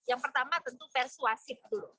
yang pertama tentu persuasif dulu